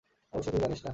অবশ্য তুই জানিস না।